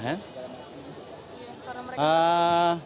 jadi tidak bisa